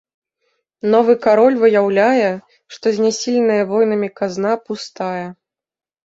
Новы кароль выяўляе, што знясіленая войнамі казна пустая.